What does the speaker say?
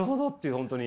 本当に。